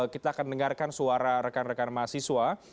kita akan dengarkan suara rekan rekan mahasiswa